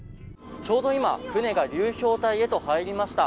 ちょうど今、船が流氷帯へと入りました。